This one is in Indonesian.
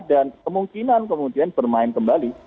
dan kemungkinan kemudian bermain kembali